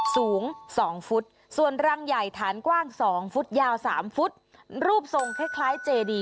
สูงสองฟุตส่วนรังใหญ่ฐานกว้างสองฟุตยาวสามฟุตรูปทรงคล้ายคล้ายเจดี